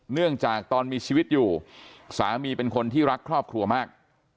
เนื่องจากตอนมีชีวิตอยู่สามีเป็นคนที่รักครอบครัวมาก